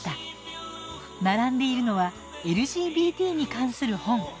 並んでいるのはＬＧＢＴに関する本。